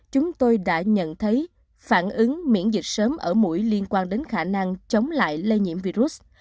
chúng tôi đã nhận thấy phản ứng miễn dịch sớm ở mũi liên quan đến khả năng chống lại lây nhiễm virus